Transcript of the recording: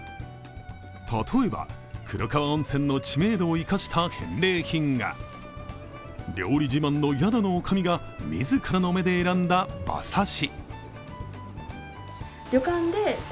例えば、黒川温泉の知名度を生かした返礼品が、料理自慢の宿のおかみが自らの目で選んだ馬刺し。